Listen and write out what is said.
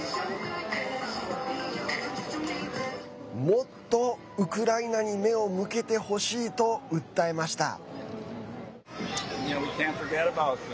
もっと、ウクライナに目を向けてほしいと訴えました。